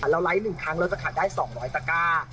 ไลค์๑ครั้งเราจะขายได้๒๐๐ตะก้า